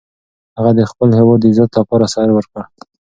هغه د خپل هیواد د عزت لپاره سر ورکړ.